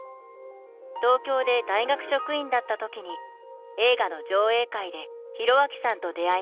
東京で大学職員だったときに映画の上映会で浩章さんと出会いました。